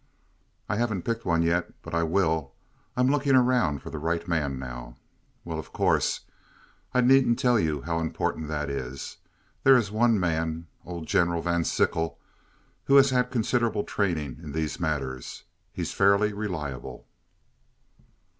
"I haven't picked one yet, but I will. I'm looking around for the right man now. "Well, of course, I needn't tell you how important that is. There is one man, old General Van Sickle, who has had considerable training in these matters. He's fairly reliable."